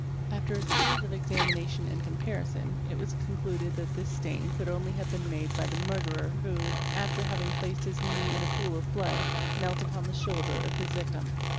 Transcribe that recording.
After a series of examination and comparison it was concluded that this stain could only have been made by the murderer who, after having placed his knee in a pool of blood, knelt upon the shoulder of his victim.